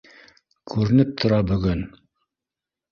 Күренеп тора бөгөн